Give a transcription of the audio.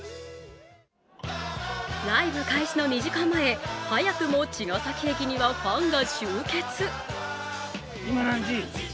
ライブ開始の２時間前、早くも茅ヶ崎駅にはファンが集結。